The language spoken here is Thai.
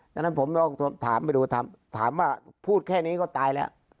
ดังนั้นผมลองถามไปดูถามว่าพูดแค่นี้ก็ตายแล้ว